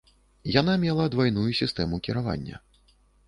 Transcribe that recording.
Яна мела двайную сістэму кіравання.